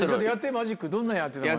マジックどんなんやってたの？